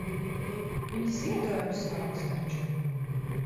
Viņi ziedojumus vāks taču.